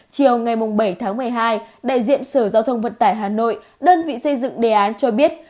chiều ngày bảy tháng một mươi hai đại diện sở giao thông vận tải hà nội đơn vị xây dựng đề án cho biết